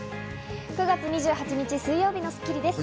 ９月２８日、水曜日の『スッキリ』です。